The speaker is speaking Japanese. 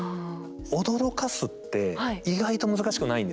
「驚かす」って意外と難しくないんですよ。